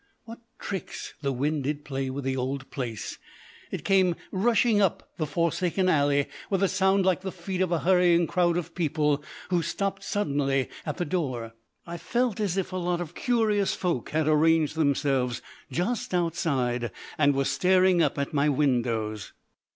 What tricks the wind did play with the old place! It came rushing up the forsaken alley with a sound like the feet of a hurrying crowd of people who stopped suddenly at the door. I felt as if a lot of curious folk had arranged themselves just outside and were staring up at my windows.